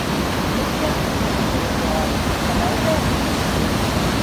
Eh! bien, s’écria Peyrade, comment est-elle?